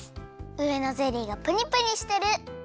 うえのゼリーがプニプニしてる。